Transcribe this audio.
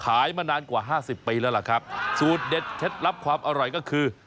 มานานกว่าห้าสิบปีแล้วล่ะครับสูตรเด็ดเคล็ดลับความอร่อยก็คือ